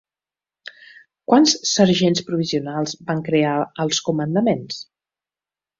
Quants sergents provisionals van crear als comandaments?